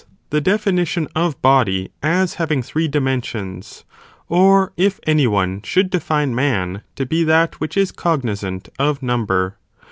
479 finition of body as having three dimensions, or if any one | should define man to be that which is cognizant of number.